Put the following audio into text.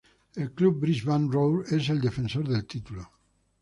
El club Brisbane Roar es el defensor del título.